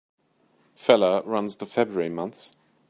Feller runs the February months.